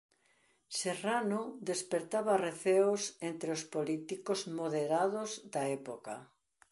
Serrano despertaba receos entre os políticos moderados da época.